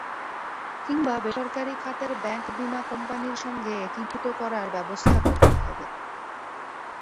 কিংবা বেসরকারি খাতের ব্যাংক-বিমা কোম্পানির সঙ্গে একীভূত করার ব্যবস্থা করতে হবে।